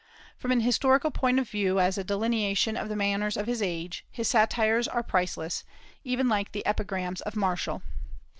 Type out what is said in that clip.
From an historical point of view, as a delineation of the manners of his age, his satires are priceless, even like the epigrams of Martial.